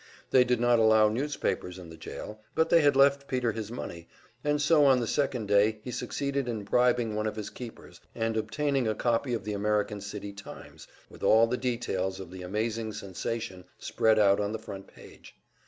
They did not allow newspapers in the jail, but they had left Peter his money, and so on the second day he succeeded in bribing one of his keepers and obtaining a copy of the American City "Times," with all the details of the amazing sensation spread out on the front page.